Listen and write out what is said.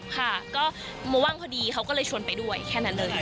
ค่ะก็โมว่างพอดีเขาก็เลยชวนไปด้วยแค่นั้นเลย